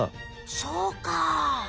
そうか。